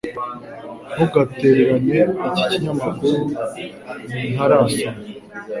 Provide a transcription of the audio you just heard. Ntugatererane iki kinyamakuru Ntarasoma